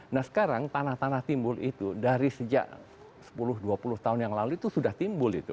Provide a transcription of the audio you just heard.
nah sekarang tanah tanah timbul itu dari sejak sepuluh dua puluh tahun yang lalu itu sudah timbul itu